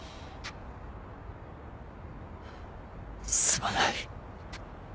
すまない。